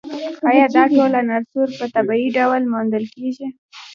ایا دا ټول عناصر په طبیعي ډول موندل کیږي